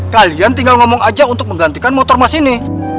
kalian tinggal ngomong aja untuk menggantikan motor mas ini